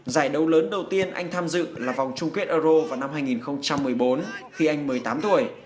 giải đấu lớn đầu tiên anh tham dự là vòng chung kết euro vào năm hai nghìn một mươi bốn khi anh một mươi tám tuổi